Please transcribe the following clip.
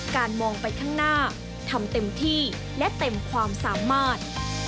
มองไปข้างหน้าทำเต็มที่และเต็มความสามารถ